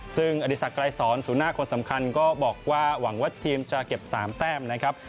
ซึ่งอดีศักดรายสอนศูนย์หน้าคนสำคัญก็บอกว่าหวังว่าทีมจะเก็บ๓แต้มนะครับ